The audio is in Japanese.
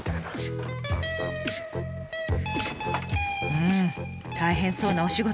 うん大変そうなお仕事。